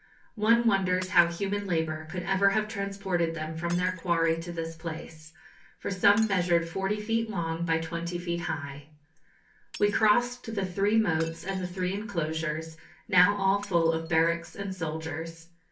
One wonders how human labour could ever have transported them from their quarry to this place, for some measured 40 ft. long by 20 ft. high. We crossed the three moats and the three enclosures, now all full of barracks and soldiers.